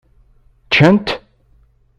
Ččan-t?